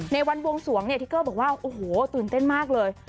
ในวันบวงสวงเนี่ยทิเกอร์บอกว่าโอ้โหตื่นเต้นมากเลย